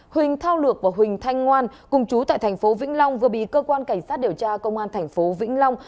huỳnh thao lược và huỳnh thanh ngoan cùng chú tại thành phố vĩnh long vừa bị cơ quan cảnh sát điều tra công an thành phố vĩnh long